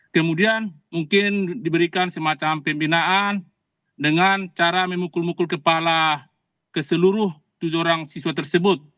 kemudian mungkin diberikan semacam pembinaan dengan cara memukul mukul kepala ke seluruh tujuh orang siswa tersebut